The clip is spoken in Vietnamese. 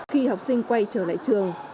khi học sinh quay trở lại trường